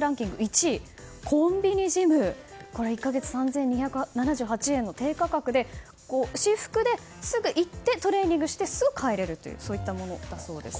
ランキング１位、コンビニジム１か月３２７８円の低価格で、私服ですぐ行ってトレーニングしてすぐ帰れるといったものだそうです。